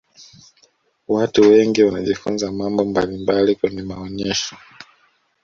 watu wengi wanajifunza mambo mbalimbali kwenye maonesho